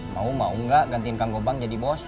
mau mau gak gantiin kang gobang jadi bos